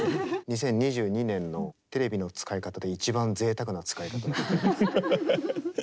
２０２２年のテレビの使い方で一番ぜいたくな使い方です。